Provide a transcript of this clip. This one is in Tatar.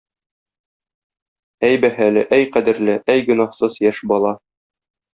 Әй бәһале, әй кадерле, әй гөнаһсыз яшь бала!